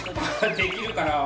できるかな？